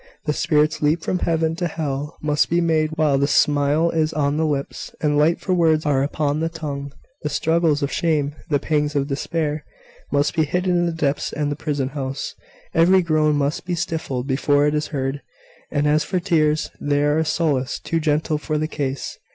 The spirit's leap from heaven to hell must be made while the smile is on the lips, and light words are upon the tongue. The struggles of shame, the pangs of despair, must be hidden in the depths of the prison house. Every groan must be stifled before it is heard: and as for tears they are a solace too gentle for the case.